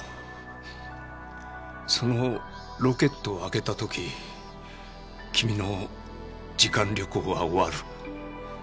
そのロケットを開けたとき君の時間旅行は終わる。